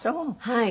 はい。